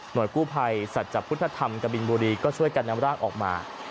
หน่วยกู้ไพรศัตริย์จับพุทธธรรมกบินบุรีก็ช่วยการนำรากออกมา